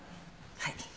はい。